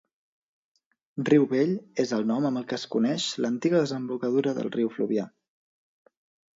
Riu Vell és el nom amb què es coneix l'antiga desembocadura del riu Fluvià.